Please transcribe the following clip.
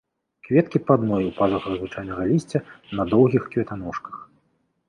Кветкі па адной у пазухах звычайнага лісця, на доўгіх кветаножках.